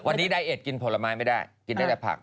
วันนี้ไดเอ็ดกินผลไม้ไม่ได้กินได้แต่ผัก